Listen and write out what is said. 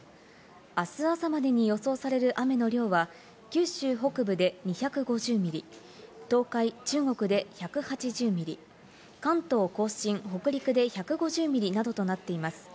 あす朝までに予想される雨の量は、九州北部で２５０ミリ、東海、中国で１８０ミリ、関東甲信、北陸で１５０ミリなどとなっています。